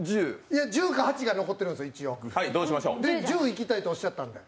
１０か８が残ってるんですよ、１０いきたいとおっしゃってたんで。